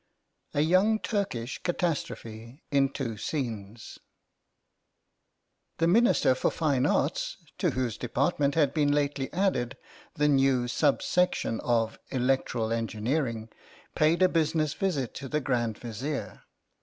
A YOUNG TURKISH CATASTROPHE IN TWO SCENES THE Minister for Fine Arts (to whose Department had been lately added the new sub section of Electoral Engineering) paid a business visit to the Grand Vizier.